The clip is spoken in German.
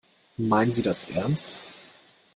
Meinen Sie das ernst?